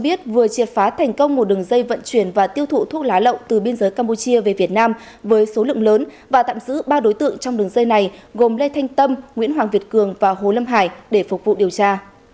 công an huyện bình chánh đã tạo ra một đường dây vận chuyển và tiêu thụ thuốc lá lậu từ biên giới campuchia về việt nam với số lượng lớn và tạm giữ ba đối tượng trong đường dây này gồm lê thanh tâm nguyễn hoàng việt cường và hồ lâm hải để phục vụ điều tra